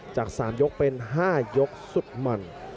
จาก๓ยกเป็น๕ยกสุดมัน